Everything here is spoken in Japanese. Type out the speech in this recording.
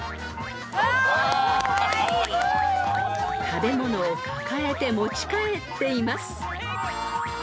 ［食べ物を抱えて持ち帰っています］